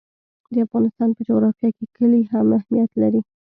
د افغانستان په جغرافیه کې کلي اهمیت لري.